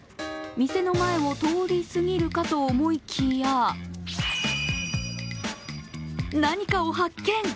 店の前を通りすぎるかと思いきや何かを発見！